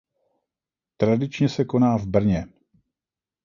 Tradičně se koná v Brně.